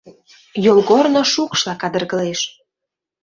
Йолгорно шукшла кадыргылеш.